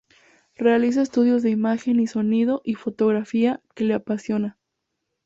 Realiza estudios de Imagen y sonido y fotografía, que le apasiona.